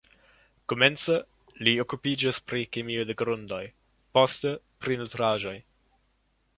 Komence li okupiĝis pri kemio de grundoj, poste pri nutraĵoj.